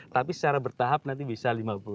tapi secara bertahap nanti bisa lima puluh lima puluh